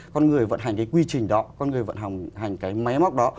con người vận hành cái quy trình đó con người vận hành cái máy móc đó